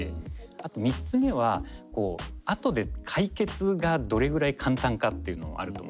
あと３つ目はあとで解決がどれぐらい簡単かっていうのはあると思って。